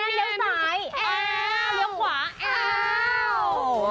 เลี่ยวขวาเอา